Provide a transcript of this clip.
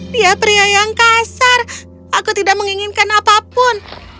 dia pria yang kasar aku tidak menginginkan apapun